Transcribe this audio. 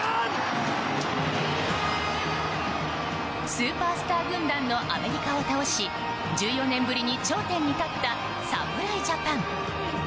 スーパースター軍団のアメリカを倒し１４年ぶりに頂点に立った侍ジャパン。